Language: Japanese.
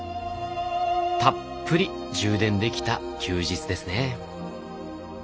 たっぷり充電できた休日ですね。